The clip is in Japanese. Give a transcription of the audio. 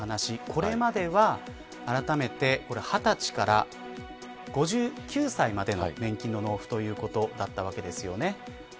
これまでは、あらためて２０歳から５９歳までの年金の納付ということだったわけですよね。